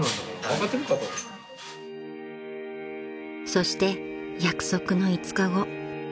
［そして約束の５日後］